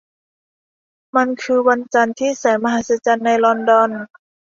มันคือวันจันทร์ที่แสนมหัศจรรย์ในลอนดอน